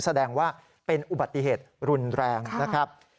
แสดงว่าเป็นอุบัติเหตุรุนแรงนะครับ